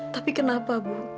tapi kenapa ibu